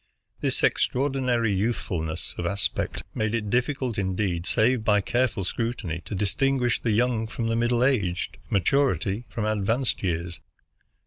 This extraordinary youthful ness of aspect made it difficult, indeed, save by careful scrutiny, to distinguish the young from the middle aged, maturity from advanced years.